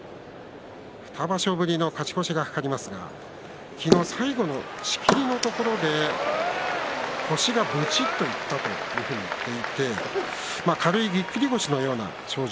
２場所ぶりの勝ち越しが懸かりますが昨日、最後の仕切りのところで腰がぶちっといったと言って軽いぎっくり腰のような症状。